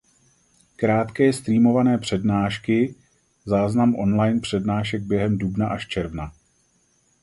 Krátké streamované přednášky - záznam online přednášek během dubna až června.